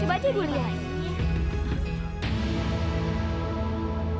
coba aja bu lian